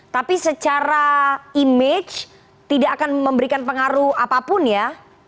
tapi secara image tidak akan memberikan pengaruh apapun ya